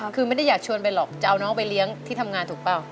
คือไม่ได้อยากชวนไปหรอกจะเอาน้องไปเลี้ยงที่ทำงานถูกเปล่า